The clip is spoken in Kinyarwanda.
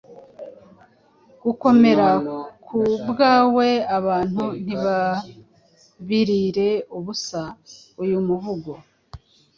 Gukomera ku byawe abantu ntibabirire ubusa. Uyu muvugo